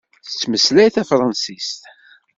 Tettmeslay tafṛansist?